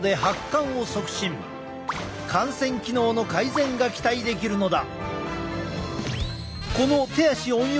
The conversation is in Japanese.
汗腺機能の改善が期待できるのだ。